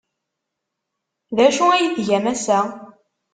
D acu ay tgam ass-a?